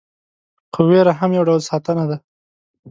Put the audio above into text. خو ویره هم یو ډول ساتنه ده.